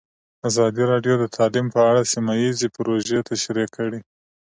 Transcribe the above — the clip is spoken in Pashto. ازادي راډیو د تعلیم په اړه سیمه ییزې پروژې تشریح کړې.